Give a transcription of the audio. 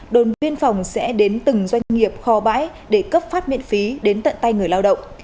đồn biên phòng sẽ đến từng doanh nghiệp kho bãi để cấp phát miễn phí đến tận tay người lao động